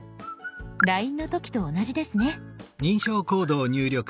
ＬＩＮＥの時と同じですね。